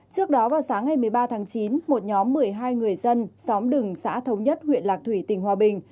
trước đó vào sáng ngày một mươi ba tháng chín một nhóm một mươi hai người dân xóm đừng xã thống nhất huyện lạc thủy tỉnh hòa bình